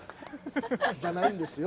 じゃないんですよ。